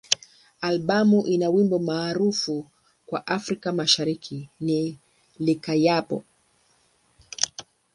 Albamu ina wimbo maarufu kwa Afrika Mashariki ni "Likayabo.